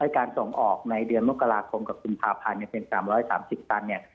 การส่งออกในเดือนมกราคมกับกุมภาพันธ์เป็น๓๓๐ตันเนี่ย